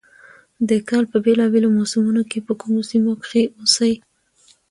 د کال په بېلا بېلو موسمونو کې په کومو سيمو کښې اوسي،